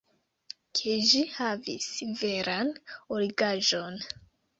ke ĝi havis veran origaĵon.